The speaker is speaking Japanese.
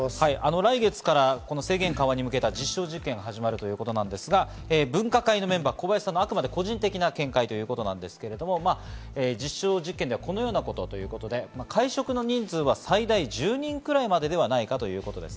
来月から制限緩和に向けた実証実験が始まるということなんですが分科会のメンバーは小林さんの個人的な見解ですが、実証実験ではこのようなことで会食の人数は最大１０人くらいまでではないかということです。